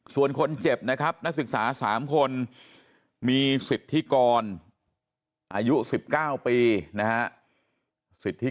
ส่วนคนเจ็บนะครับนักศึกษา๓คนมีสิทธิกรอายุ๑๙ปีนะฮะสิทธิ